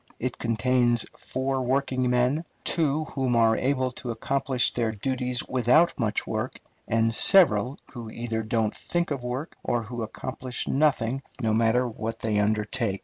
It contains four working men, two who are able to accomplish their duties without much work, and several who either don't think of work, or who accomplish nothing no matter what they undertake.